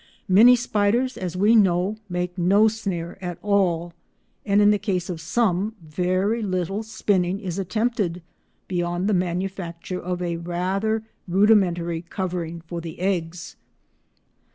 Many spiders, as we know, make no snare at all, and in the case of some, very little spinning is attempted beyond the manufacture of a rather rudimentary covering for the eggs.